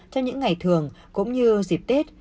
trong những ngày thường cũng như dịp tết